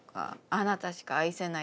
「あなたしか愛せない」